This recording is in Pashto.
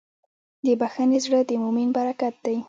د بښنې زړه د مؤمن برکت دی.